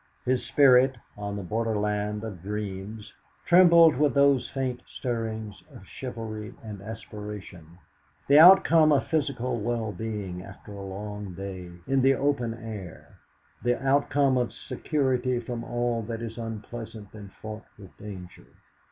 His spirit, on the borderland of dreams, trembled with those faint stirrings of chivalry and aspiration, the outcome of physical well being after a long day in the open air, the outcome of security from all that is unpleasant and fraught with danger.